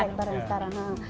satu setengah hektar